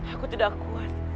aku tidak kuat